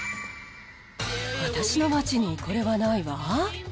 私の街にこれはないわ。